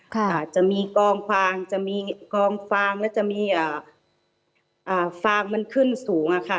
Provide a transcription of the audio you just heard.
อาจจะมีกองฟางจะมีกองฟางแล้วจะมีอ่าฟางมันขึ้นสูงอะค่ะ